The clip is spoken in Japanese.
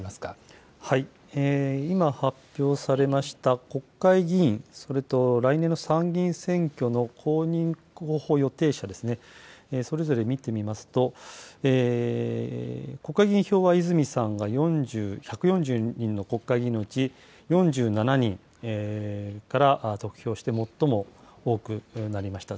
今発表されました国会議員、それと来年の参議院選挙の公認候補予定者ですね、それぞれ見てみますと、国会議員票は泉さんが１４０人の国会議員のうち４７人から得票して最も多くなりました。